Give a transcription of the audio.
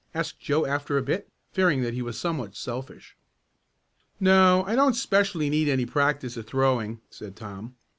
asked Joe after a bit, fearing that he was somewhat selfish. "No, I don't specially need any practice at throwing," said Tom.